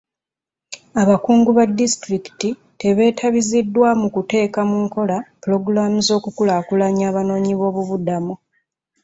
Abakungu ba disitulikiti tebeetabiziddwa mu kuteeka mu nkola pulogulamu z'okukulaakulanya abanoonyiboobubudamu.